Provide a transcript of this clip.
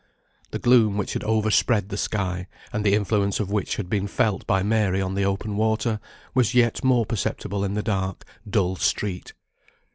The gloom which had overspread the sky, and the influence of which had been felt by Mary on the open water, was yet more perceptible in the dark, dull street.